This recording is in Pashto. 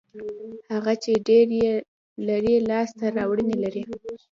هغه چې ډېر یې لري لاسته راوړنې لري.